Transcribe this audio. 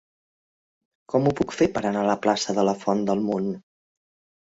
Com ho puc fer per anar a la plaça de la Font del Mont?